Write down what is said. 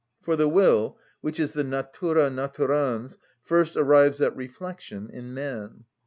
For the will, which is the natura naturans, first arrives at reflection in man.